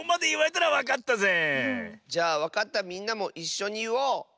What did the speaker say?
じゃあわかったみんなもいっしょにいおう！